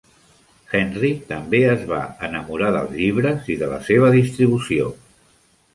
Henry també es va enamorar dels llibres i de la seva distribució.